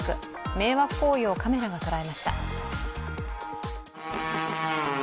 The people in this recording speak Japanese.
迷惑行為をカメラが捉えました。